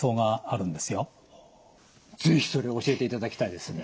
是非それを教えていただきたいですね。